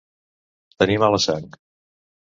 Tenir mala sang.